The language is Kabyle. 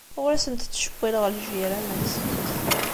Ur asent-ttcewwileɣ ljiran-nsent.